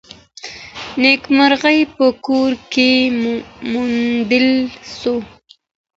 نېکمرغي په کور کي وموندل سوه.